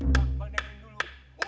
bang dengerin dulu